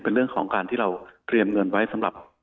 เป็นเรื่องของการที่เราเตรียมเงินไว้สำหรับ